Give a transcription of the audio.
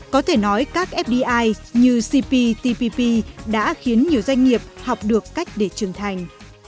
có thể nói các fdi như cptpp đã khiến nhiều doanh nghiệp học được cách để trưởng thành